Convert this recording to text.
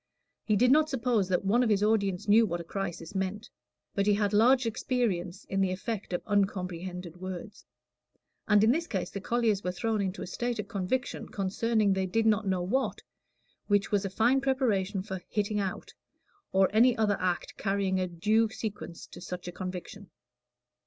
He did not suppose that one of his audience knew what a crisis meant; but he had large experience in the effect of uncomprehended words; and in this case the colliers were thrown into a state of conviction concerning they did not know what, which was a fine preparation for "hitting out," or any other act carrying a due sequence to such a conviction.